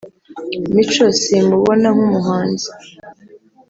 Mico simubona nk’umuhanzi